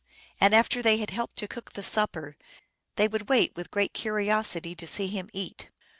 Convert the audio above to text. And after they had helped to cook the supper they would wait with great curiosity to see him eat.